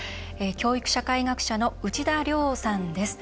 教育社会学者の内田良さんです。